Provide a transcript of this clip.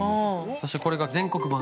そして、これが全国版。